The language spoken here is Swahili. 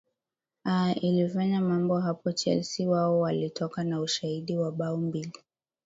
aa ilifanya mambo hapo chelsea wao walitoka na ushindi wa bao mbili